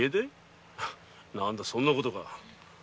何だそんな事か。